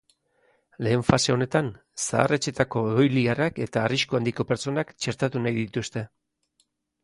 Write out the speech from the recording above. Lehen fase honetan, zahar-etxeetako egoiliarrak eta arrisku handiko pertsonak txertatu nahi dituzte.